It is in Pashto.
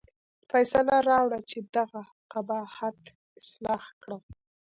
فیصله راوړه چې دغه قباحت اصلاح کړم.